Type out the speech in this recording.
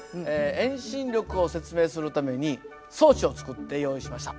遠心力を説明するために装置を作って用意しました。